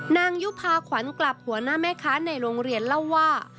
นางยุภาขวัญกลับหัวหน้าแม่ค้าในโรงเรียนเล่าว่า